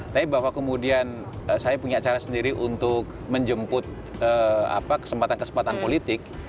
tapi bahwa kemudian saya punya cara sendiri untuk menjemput kesempatan kesempatan politik